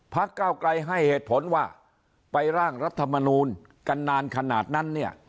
เก้าไกลให้เหตุผลว่าไปร่างรัฐมนูลกันนานขนาดนั้นเนี่ย